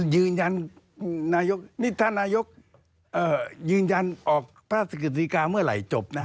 ยืนยันนายกนี่ท่านนายกยืนยันออกพระราชกิจาเมื่อไหร่จบนะ